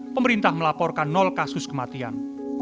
pemerintah melaporkan nol kasus kematian